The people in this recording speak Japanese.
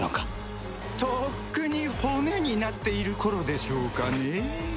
とっくに骨になっている頃でしょうかねえ。